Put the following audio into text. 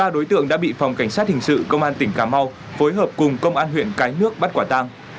một mươi ba đối tượng đã bị phòng cảnh sát hình sự công an tỉnh cà mau phối hợp cùng công an huyện cái nước bắt quả tăng